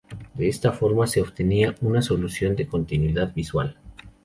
De esta forma se obtenía una solución de continuidad visual.